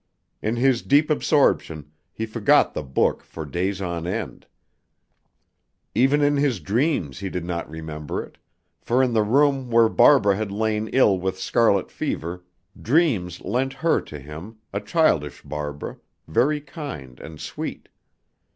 In his deep absorption, he forgot the book for days on end. Even in his dreams he did not remember it, for in the room where Barbara had lain ill with scarlet fever, dreams lent her to him, a childish Barbara, very kind and sweet.